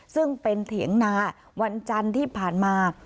ซึ่งเป็นเถียงนาวันจันทร์ที่ผ่านมา